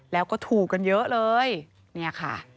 แล้วก็ถูกกันเยอะเลยเนี่ยค่ะ